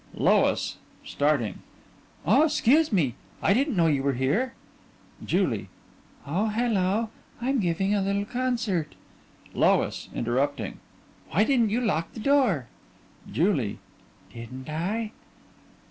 _) LOIS: (Starting) Oh, 'scuse me. I didn't know you were here. JULIE: Oh, hello. I'm giving a little concert LOIS: (Interrupting) Why didn't you lock the door? JULIE: Didn't I?